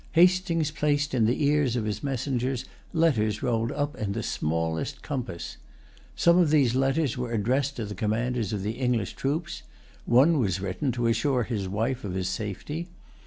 Hastings placed in the ears of his messengers letters rolled up in the smallest compass. Some of these letters were addressed to the commanders of the English troops. One was written to assure his wife of his safety.